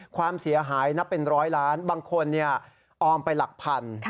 ความเสียหายนับเป็นร้อยล้านบางคนออมไปหลักพัน